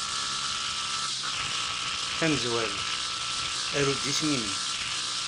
Tamezwarut, aru-d isem-nnem.